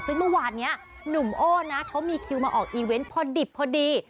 ซึ่งเมื่อวานนี้หนุ่มโอ้นะเขามีคิวมาออกอีเวนต์พอดิบพอดี